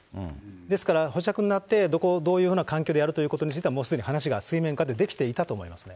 ですから、保釈になって、どこをどういうふうな環境でやるということについては、もうすでに話が水面下でできていたと思いますね。